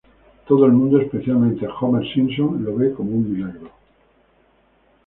Todo el mundo, especialmente Homer Simpson, lo ve como un milagro.